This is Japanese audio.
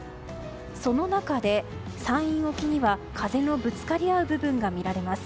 その中で山陰沖には風のぶつかり合う部分が見られます。